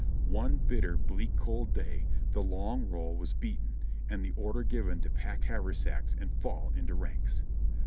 One bitter, bleak, cold day the long roll was beaten and the order given to pack haversacks and fall into ranks.